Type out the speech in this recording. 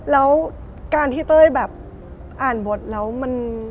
แล้วการที่เต้ยอ่านบทแล้ว